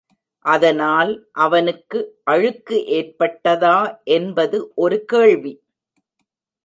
அதனால் அவனுக்கு அழுக்கு ஏற்படாதா என்பது ஒரு கேள்வி.